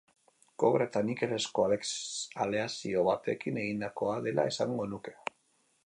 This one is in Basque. Kobre eta nikelezko aleazio batekin egindakoa dela esango nuke.